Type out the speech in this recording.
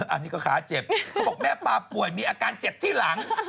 อันนี้ก็ขาเจ็บเขาบอกแม่ปลาป่วยมีอาการเจ็บที่หลัง